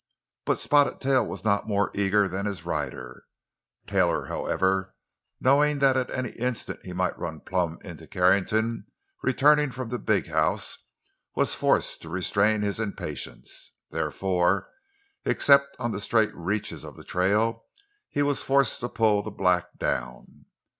But Spotted Tail was not more eager than his rider. Taylor, however, knowing that at any instant he might run plump into Carrington, returning from the big house, was forced to restrain his impatience. Therefore, except on the straight reaches of the trail, he was forced to pull the black down.